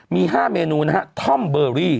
มี๕เมนูนะฮะท่อมเบอรี่